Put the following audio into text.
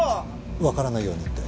わからないようにって？